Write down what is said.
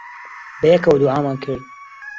بەیەکەوە دوعامان کرد.